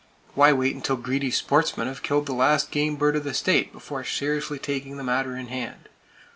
Why wait until greedy sportsmen have killed the last game bird of the state before seriously taking the matter in hand?